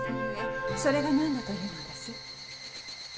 それが何だというのです？